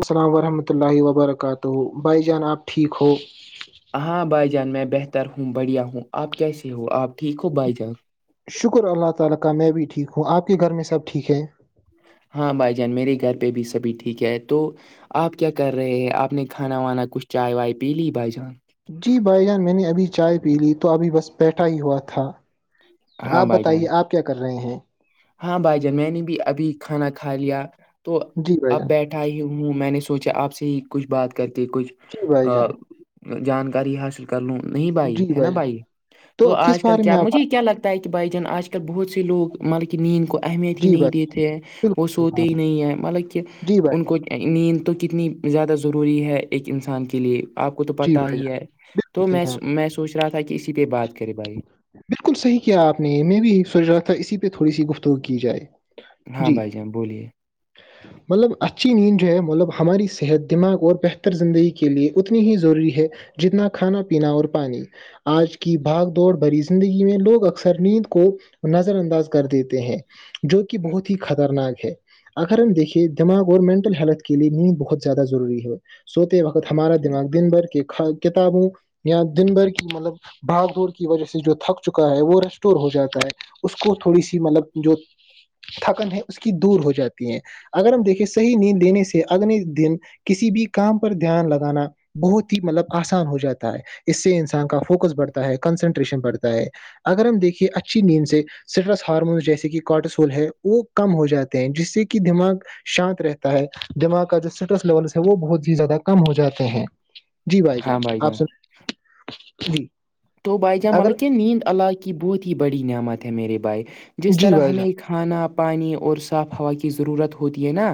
السلام ورحمۃ اللہ وبرکاتہ بھائی جان آپ ٹھیک ہو ہاں بھائی جان میں بہتر ہوں بڑھیا ہوں آپ کیسے ہو آپ ٹھیک ہو بھائی جان شکر اللہ تعالی کا میں بھی ٹھیک ہوں اپ کے گھر میں سب ٹھیک ہیں ہاں بھائی جان میرے گھر پہ بھی سبھی ٹھیک ہے تو آپ کیا کر رہے ہیں آپ نے کھانا وانا کچھ چائے وائے پی لی بھائی جان جی بھائی جان میں نے ابھی چائے پی لی تو ابھی بس بیٹھا ہی ہوا تھا ہاں آپ بھائی جان بتائیے آپ کیا کر رہے ہیں ہاں بھائی جان میں نے بھی ابھی کھانا کھا لیا تو جی بھائی اپ جان بیٹھ اٹھاائی ہوں میں نے سوچا آپ سے ہی کچھ بات کر کے کچھ جی بھائی جان جانکاری حاصل کر لوں نہیں بھائی جی ہے نا جان بھائی تو کس آج کل بارے میں کیا آپ مجھے کیا لگتا ہ بج جن آج ک بہت سے لوگ مل نیند کو اہمیت ہی جی نہیں دیتے ہیں وہ بھائی جان، بالکل صحیح سوتے ہی کہا نہیں ہیں مطلب کہ آپ نے جی بھائی ان جان، کو نیند تو کتنی زیادہ ضروری ہے ایک انسان کے لیے آپ کو تو جی پتاہ بھائی جان ہی ہے تو بالکل صحیح میں کہا آپ نے میں سوچ رہا تھا کہ اسی پہ بات کرے بھائی بالکل صحیح کیا آپ نے میں بھی سوچ رہا تھا اسی پہ تھوڑی سی گفتگو کی جائے ہاں جی بھائی جان بولیے مطلب اچھی نیند جو ہے مطلب ہماری صحت دماغ اور بہتر زندگی کے لیے ات نی ہی ضروری ہے جتنا کھانا پینا اور پانی آج کی بھاگ دوڑ بھری زندگی میں لوگ اکثر نیند کو نظر انداز کر دیتے ہیں جو کہ بہت ہی خطرناک ہے اگر ہم دیکھیے دماغ اور مینٹل ہیلتھ کے لیے نیند بہت زیادہ ضروری ہے سوتے وقت ہمارا دماغ دن بھر کی کتابوں یا دن بھر کی مطلب بھاگ دوڑ کی وجہ سے جو تھک چکا ہے وہ ریسٹور ہو جاتا ہے اس کو تھوڑی سی مطلب جو تھکن ہے اس کی دور ہو جاتی ہے اگر ہم دیکے صح نیند دینے سے اگلے دن کسی بھی کام پر دھیان لگانا بہت ہی مطلب آسان ہو جاتا ہے اس سے انسان کا فوکس بڑھتا ہے کنسنٹریشن بڑھتا ہے اگر ہم دیکھیے اچھی نیند سے سٹرس ہارمونس جیسے کہ کاٹسٹول ہے وہ کم ہو جاتے ہیں جس سے کہ دماغ شانت رہتا ہے دماغ کا جو اسٹریس لیولس ہے وہ بہت ہی زیادہ کم ہو جاتے ہیں جی بھائی جان آپ س جی تو بھائی اگر جاملک کیا نیند علاق کی بہت ہی بڑی نعمت ہے میرے بھائی جس جی طرح بھائی ہمیں جان کھانا پانی اور صاف ہوا کی ضرورت ہوتی ہے نا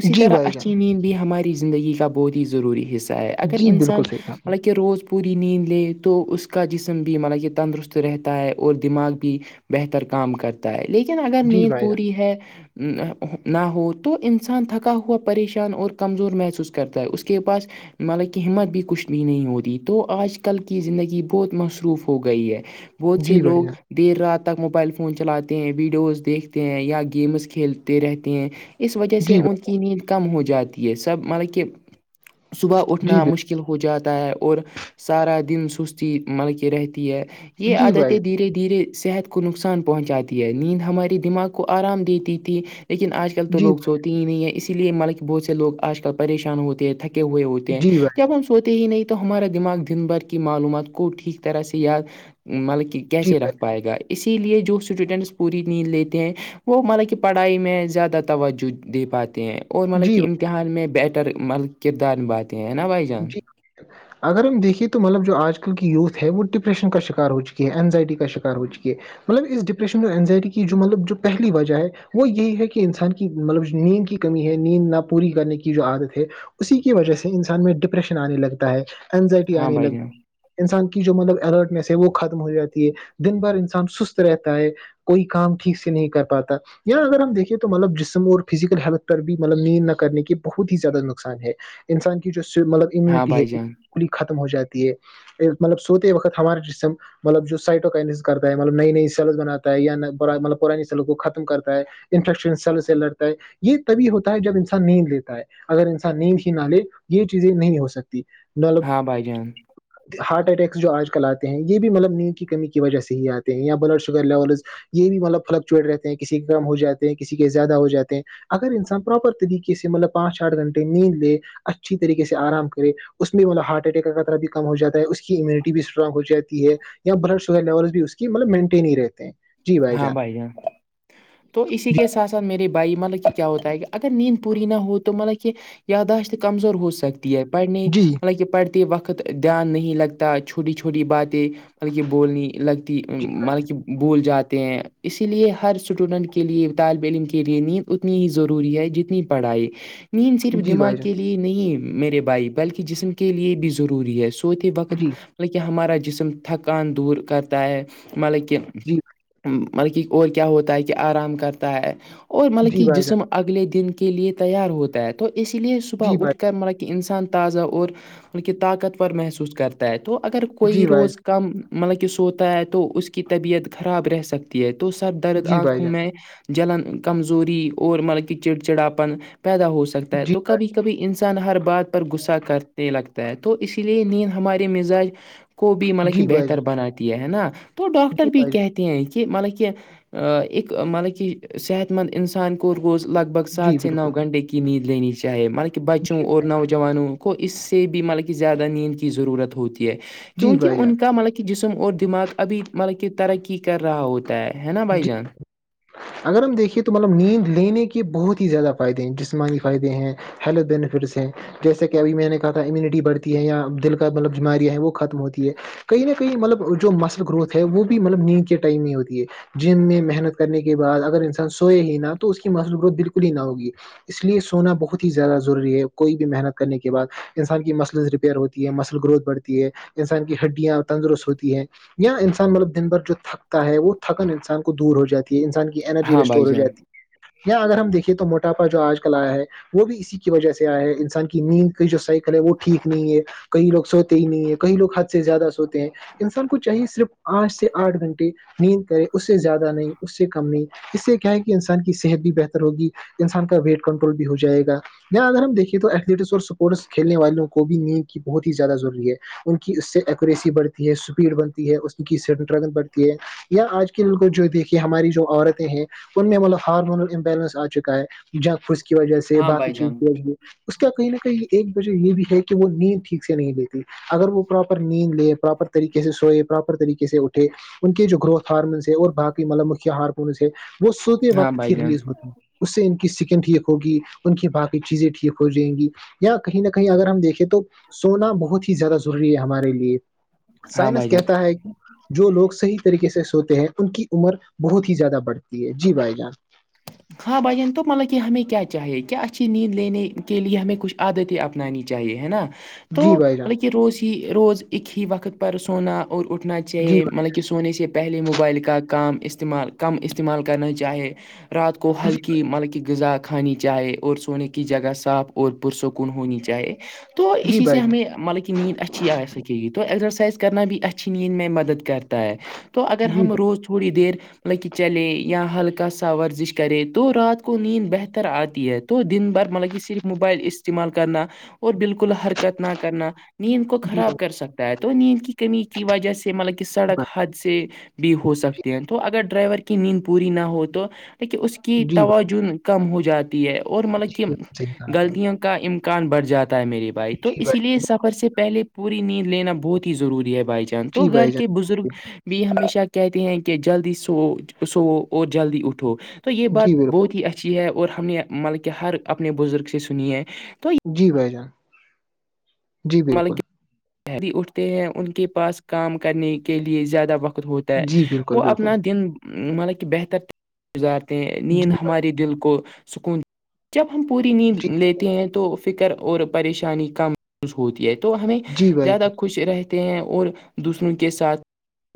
اسی جی طرح بھائی جان اچینین ہماری زندگی کا بہت ہی ضروری حصہ ہے اگر جی بالکل انسان صحیح کہا آپ نے۔ مطلب کہ روز پوری نیند لے تو اس اس کا جسم بھی مطلب یہ تندرست رہتا ہے اور دماغ بھی بہتر کام کرتا لیکن اگر جی نیند بھائی پوری ہے نہ ہو تو انسان تھکا ہوا پریشان اور کمزور محسوس کرتا ہے اس کے پاس مطلب کہ ہمت بھی کچھ بھی نہیں ہوتی تو آج کل کی زندگی بہت مصروف ہو گئی ہے جان بہت سے جی بھائی لوگ جان دیر رات تک موبائل فون چلاتے ہیں ویڈیوز دیکھتے ہیں یا گیمز کھیلتے رہتے ہیں اس وجہ سے جی ا کی نیند کم ہو جاتی ہے سب مطلب کہ صبح جی اٹھنا مشکل مکل ہو جاتا ہے اور سارا دن سستی مل کے رہتی ہے یہ جی بھائی عادتیں دھیرے دھیرے صحت کو نقصان پہنچاتی ہے نیند ہمارے دماغ کو آرام دیتی تھی لیکن آج کل تو جی لوگ بھائی سوتے ہی نہیں ہے اسی لیے ملک بہت سے لوگ آج کل پریشان ہوتے ہیں تھکے ہوئے ہوتے ہیں جی بھائی جب ہم سوتے ہی نہیں تو ہمارا دماغ دن بھر کی معلومات کو ٹھیک طرح سے یاد مطلب کہ جی کیسے بھائی رکھ پائے گا اسی لیے جو اسٹوڈینٹس پوری نیند لیتے ہیں وہ مطلب کہ پڑھائی میں زیادہ توجہ پاتے ہیں اور مطلب جی کہ امتحان میں بیٹر مطلب کردار نبھاتے ہیں نا بھائی جان جی اگر ہم دیکھے تو ملب جو آج کل کی یوتھ ہے وہ ڈپریشن کا شکار ہو چکی ہے انزائٹی کا شکار ہو چکی ہے مطلب اس ڈپریشن اور انینزائٹی کی جو مطلب جو پہلی وجہ ہے وہ یہی ہے کہ انسان کی مطلب نیند کی کمی ہے نیند نہ پوری کرنے کی جو عادت ہے اسی کی وجہ سے انسان میں ڈپریشن آنے لگتا ہے اینزائٹی ہاں آنے بھائی لگ جان انسان کی جو مطلب الرٹنیس ہے وہ ختم ہو جاتی ہے دن بھر انسان سست رہتا ہے کوئی کام ٹھیک سے نہیں کر پاتا یہاں اگر ہم دیکھے تو مطلب جسم اور فزیکل ہیلتھ پر بھی مطلب نیند نہ کرنے کے بہت ہی زیادہ نقصان ہے انسان کی جو مطلب ہاں امیونٹی ہے بھائی جان بکلی ختم ہو جاتی ہے مطلب سوتے وقت ہمارے جسم مطلب جو سائٹو کرتا ہے مطلب نئی نئی سلز بنا ہے یا مطلب پرانی سیلوں کو ختم کرتا ہے انفشن سلس لرتا ہے یہ تبھی ہوتا ہے جب انسان نیند لیتا ہے اگر انسان نیند ہی نہ لے یہ چیزیں نہیں ہو سکتی ہاں بھائی جان جی ہارٹ اٹیکس جو آج کل آتے ہیں یہ بھی مطلب نیند کی کمی کی وجہ سے ہی آتے ہیں یا بلڈ شوگر لیولز یہ بھی مطلب فلکچویٹ رہتے ہیں کسی کے کم ہو جاتے ہیں کسی کے زیادہ ہو جاتے ہیں اگر انسان پراپر طریقے سے مطلب پانچ آٹھ گھنٹے نیند لے اچھی طریقے سے آرام کرے اس میں مطب ہارٹ اٹیک کا خطرہ بھی کم ہو جاتا ہے اس کی امیونٹی بھی اسٹرانگ ہو جاتی ہے یا بلڈ شوگر لیولس بھی اس کی مطلب مینٹین ہی رہتے ہیں جی ہاں جان بھائی تو اسی جی کے ساتھ ساتھ میرے بھائی مطلب کہ کیا ہوتا ہے کہ اگر نیند پوری نہ ہو تو مطلب کہ یاداشت کمزور ہو سکتی ہے پڑھنے جی مطلب کہ پڑھتے وقت دھیان نہیں لگتا چھوٹی چھوٹی باتیں مطلب کہ بولنی لگتی جی مطلب کہ بول جات ہیں اسی لیے ہر اسٹوڈنٹ کے لیے طالب علم کے لیے نیند اتنی ہی ضروری ہے جتنی پڑھائی نیند صرف جی دماغ بھائی جان کے لیے نہیں میرے بھائی بلکہ جسم کے لیے بھی ضروری ہے سوتی ہی جی وقتطب کہ ہمارا جسم تھکان دور کرتا ہے مطلب کہ ج مطلب کہ اور کیا ہوتا ہے کہ آرام کرتا ہے اور مطلب جی کہ بھائی جان جسم اگلے دن کے لیے تیار ہوتا ہے تو اس لیے صبح جی بھائی اٹھ کر مطلب انسان تازہ اور ان کی طاقتور محسوس کرتا ہے تو اگر جی کوئی بھائی روز جان کم مطلب کہ سوتا ہے تو اس کی طبیعت خراب رہ سکتی ہے تو سر درد جی بھائی آنکھوں جان میں جلن کمزوری اور مطلب کہ چڑچڑاپن پیدا ہو سکتا ہے جی تو بھائی کبھی کبھی انسان ہر بات پر غصہ کرتے لگتا ہے تو اسی لیے نیند ہمارے مزاج کو بھی مطلب کہ جی بھائی جان بہتر بناتی ہے نا تو ڈاکٹر جی بھی بھائی جان کہتے ہیں کہ صیت ان تھان کكور گوز لگ بگ جی سات س نو بالکل گنٹے کی نیدد لینی چاہے مطانب کہہ بچوں جی اور نوجوانوں کو اس سے بھی مطلب کہ زیادہ نیند کی ضرورت ہوتی ہے جی کیونکہ بھائی جان ان کا مطلب کہ جسم اور دماغ ابھی مطلب کہ ترقی کر رہا ہوتا ہے نا بھائی جی جان اگر ہم دیکھیے تو مطلب نیند لینے کے بہت ہی زیادہ فائدے ہیں جسمانی فائدے ہیں ہیلو دینفھر سے جیسے کہ ابھی میں نے کہا تھا امیونٹی بڑھتی ہے یا دل کا مطلب بیماریاں ہیں وہ ختم ہوتی ہے کہئی نہ کہیں مطلب جو مسل گروتھ ہے وہ بھی مطلب نیند کے ٹائم ہی ہوتی ہے جم میں محنت کرنے کے بعد اگر انسان سوئے ہی نہ تو اس کی مصل گروتھ بالکل ہی نہ ہوگی اس لیے سونا بہت ہی زیادہ ضروری ہے کوئی بھی محنت کرنے کے بعد انسان کی مسلز ریپیئر ہوتی ہے مل گروتھ بڑھتی ہے انسان کی ہڈیاں اور تندرست ہوتی ہے یا انسان مطلب دن بھر جو تھکتا ہے وہ تھکن انسان انان کو دور ہو جاتی ہے انسان کی انرجی ہاں بھائی رسٹور ہو جی جان ہے اں اگر ہم دیکھیے تو موٹاپا جو آج کل آیا ہے وہ بھی اسی کی وجہ سے آیا ہے انسان کی نیند کی جو سائیکل ہے وہ ٹھیک نہیں ہے کئی لوگ سوتے ہی نہیں ہیں کئی لوگ حد سے زیادہ سوتے ہیں انسان کو چاہیے صرف پانچ سے آٹھ گھنٹے نیند کرے اس سے زیادہ نہیں اس سے کم نہیں اس سے کیا ہے کہ انسان کی صحت بھی بہتر ہوگی انسان کا ویٹ کنٹرول بھی ہو جائے گا اں اگر ہم دیکھے تو ایتھلیٹکس اور سپورٹس کل والوں کو بھی نیو کی بہت ہی زیادہ ضروری ہے ان کی اس سے ایکوریسی بڑھتی ہے اسپیڈ بنتی ہے اس کی سر بڑتی ہے یا آج جو دیکھیے ہماری جو عورتیں ہیں ان میں مطلب ہارمونل امبیلنس آ چکا ہے جگ پھوس کی وجہ سے ہاں باقی بھائی چیز جان اس کا کہیں نہ کہیں ایک وجہ یہ بھی ہے کہ وہ نیند ٹھیک سے نہیں دیتی اگر وہ پراپر نیند لے پراپر طریقے سے سوئے پراپر طریقے سے اٹھے ان کے جو گروتھ فارم اور باقی مطلب مکھیا ہارکونس ہے وہ سوتے ہاں وقت بھائی ہی جان ریلیز ہوتے ہیں اس سے ان کی سکن ٹھیک ہوگی ان کی باقی چیزیں ٹھیک ہو جائیں گی یا کہیں نہ کہیں اگر ہم دیکھیں تو سونا بہت ہی زیادہ ضروری ہے ہمارے لیے ہاں سائنس بھائی جان کہتا ہے کہ جو لوگ صحیح طریقے سے سوتے ہیں ان کی عمر بہت ہی زیادہ بڑھتی ہے جی بھائی جان ہاں بھجان تو مطلب کہ ہمیں کیا چاہیے کیا اچھی نیند لینے کے لیے ہمیں کچھ عادتی نانی چاہیے ہے نا تو جی بھائی جان بطلب کہ روز ہی روز ایک ہی وقت پر سونا اور اٹھنا جی چاہیے مطلب کہ سونے سے پہلے موبائل کا کام استعمال کم استعمال کرنا چاہے رات کو بھائی جی ہلکی ملکی غذات کھانی چاہے اور سونے کی جگہ صاف اور پرسکون ہونی چاہے تو جی اسی سے بھائی جان ہمیں مطلب کہ نیند اچ اچھی آ سکے گی تو اسرسائز کرنا بھی اچھی نیند م میں مدد کرتا ہے تو اگر جی ہم روز تھوڑی دیر مطلب کہ چلے یا ہلکا ساور ورزش کرے تو رات کو نیند بہتر آتی ہے تو دن بھر مطلب کہ صرف موبائل استعمال کرنا اور بالکل حرکت نہ کرنا نیند کو بھائی جی خراب کر سکتا ہے تو نیند کی کمی کی وجہ سے مطلب کہ سڑک حد سے بھی ہو سکتے ہیں تو اگر ڈرائیور کی نیند پوری نہ ہو تو دیکے اس کی بھائی جی بھائی توجن کم ہو جاتی ہے اور مطلب کہ جی بالکل صحیح کہا آپ نے غلطیاں کا امکان بڑھ جاتا ہے میری بھائی تو جی اسی لیے جان سفر سے پہلے پوری نیند لینا بہت ہی ضروری ہے بھائی جان تو جی گھر بھائی کے بزرگ جان بھی ہمیشہ کہتے ہیں کہ جلدی سو سوو اور جلدی اٹھو تو یہ بات جی بالکل بہت ہی اچھی ہے اور ہم نے مل کہ ہر اپنے بزرگ سے سنی ہے تو جی بھائی جان جی بالکل شہری اٹھتے ہیں ان کے پاس کام کرنے کے لیئے زیادہ وقت ہوتا ہے جی بالکل وہ بالکل اپنا دن مطلب کہ بہتر تھا گزارتے ہیں جی نیند بھائی ہمارے دل کو سکون جب ہم پوری نیند جی لیتے ہیں تو فکر اور پریشانی کم خوش ہوتی ہے تو ہمیں جی بھائی زیادہ جان خوش رہتے ہیں اور دوسروں کے ساتھ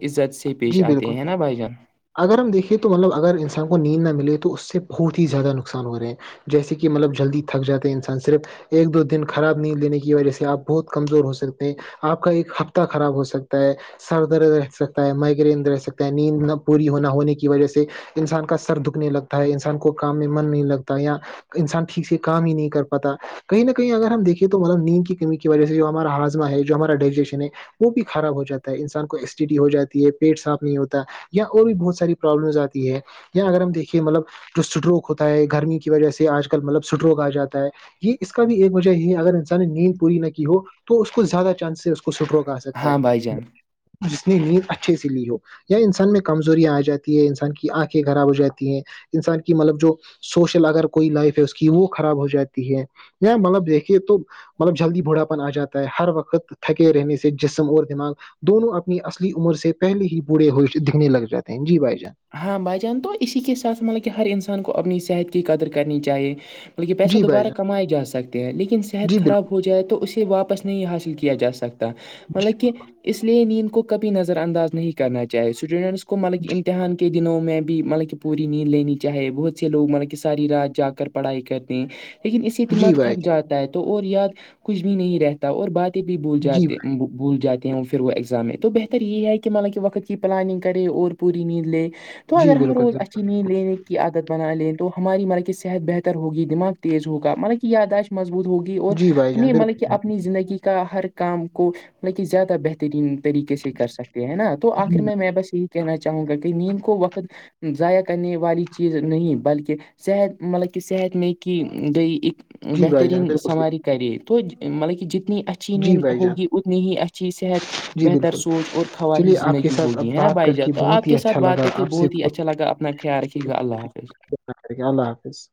عزت سے پیش جی بالکل آتے ہیں نا بھائی جان اگر ہم دیکھیںے تو مطلب اگر انسان کو نیند نہ ملے تو اس سے بہت ہی زیادہ نقصان ہو رہے ہیں جیسے کہ مطلب جلدی تھک جاتے ہیں انسان صرف ایک دو دن خراب نہیں لینے کی وجہ سے آپ بہت کمزور ہو سکتے ہیں آپ کا ایک ہفتہ خراب ہو سکتا ہے سر درد رہ سک مائگرین رہ سکتا ہے نیند نہ پوری ہو نہ ہونے کی وجہ سے انسان کا سر دکھنے لگتا ہے انسان کو کام میں من نہیں لگتا ہے یا انسان ٹھیک سے کام ہی نہیں کر پاتا کہیں نہ کہیں اگر ہم دیکے تو مطلب نیند کی کمی کی وجہ سے جو ہمارا ہاضا ہے جو ہمارا ڈائجیشن ہے وہ بھی خراب ہو جاتا ہے انسان کو ایس ٹی ڈی ہو جاتا پیٹ صاف نہیں ہوتا یا اور بھی بہت ساری پرابلمز آتی ہے یا اگر ہم دیکھیے مطلب جو سٹروک ہوتا ہے گرمی کی وجہ سے آج کل مطلب سٹروک آ جاتا ہے یہ اس کا بھی ایک وجہ یہ ہے اگر انسان نے نیند پوری نہ کی ہو تو اس کو زیادہ چانسز کو سٹرو کہ سکتا ہے ہاں بھائی جان جس نے لی اچھے سے لی ہو یا انسان میں کمزوریاں آ جاتی ہیں انسان کی آنکھیں خراب ہو جاتی ہیں انسان کی مطلب جو سوشل اگر کوئی لائف ہے اس کی وہ خراب ہو جاتی ہے مطلب دیکھیے تو مطلب جلدی بڑھا پپن آ جاتا ہے ہر وقت تھکے رہنے سے جسم اور دماغ دونوں اپنی اصلی عمر سے پہلے ہی برڑے ہو دکھنے لگ جاتے ہیں جی بھائی جان ہاں بھائی جان تو اسی کے ساتھ مطلب کہ ہر انسان کو اپنی صحت کی قدر کرنی چاہیے بکہ پیسہ جی بھائی دوبارہ جان کمائے جا سکتے ہیں لیکن صحت جی خراب بالکل ہو جائے تو اسے واپس نہیں حاصل کیا جا سکتا مطلب کہ اس لیے نیند کو بھی نظر انداز نہیں کرنا چاہیے اسٹوڈنٹس کو ملک کے دنوں میں بھی مطلب کہ پوری نیند لینی چاہے بہت سے لوگ مطلب کہ ساری رات جا کر پڑھائی کرتے ہیں لیکن اس سے دماغ جی بھائی تھک جان جاتا ہے تو اور یاد کچھ بھی نہیں رہتا اور بات بھی بول جی جاتے بھول جاتے ہوں پھر وہ ایگزام میں تو بہتر یہ ہے کہ مطلا کہ وقت کی پلاننگ کرے اور پوری نیند لے تو جی اگر ہم بالکل روز اچھی بالکل نیند بالکل لینے کی عادت بنا لیں تو ہماری مط کہ صحت بہتر ہوگی دماغ تیز ہوگا مطلب کہ یہیادائش مضبوط ہوگی اور جی بھائی جان ہمیں مطلب کہ بالکل اپنی زندگی کا ہر کام کو مطلب کہ زیادہ بہترین طریقے سے کر سکتے ہیں نا تو آخر میں میں بس یہی کہنا چاہوں گا کہ نیند کو وقت ضائع کرنے والی چیز نہیں بلکہ صحت مطلب کہ صحت میں کہ گ اک جی بھائی جان بہترین بالکل صحیح، سنواری کرے تو مطلب کہ جتنی اچ اچھی جی نیند بھائی جان ہوگی اتنی ہی اچھی صحت جی بہتر بالکل سوچ اور خواہی چلیے آپ کے زندگی ساتھ اب ہوگی ہے نا بات بھائی کر جاد تو بہت آپ ہی کے سات اچھا بات لگا کر کے آپ سے بہت ہی اچھا لگا اپنا خیال رھیے گا اللہ حافظ اللہ حافظ